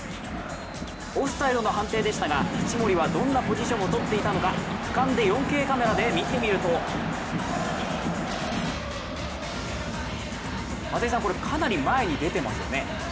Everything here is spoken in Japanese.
オフサイドの判定でしたが、一森はどんなポジションをとっていたのか、俯瞰で４Ｋカメラで見てみると松井さん、これ、かなり前に出てますよね。